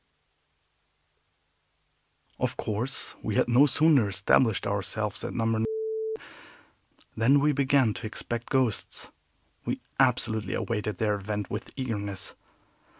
Of course we had no sooner established ourselves at No. than we began to expect ghosts. We absolutely awaited their advent with eagerness.